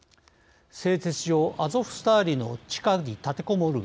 製鉄所アゾフスターリの地下に立てこもる